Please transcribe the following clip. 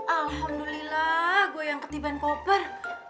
alhamdulillah gue yang ketiban koper